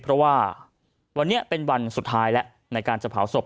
เพราะว่าวันนี้เป็นวันสุดท้ายแล้วในการจะเผาศพ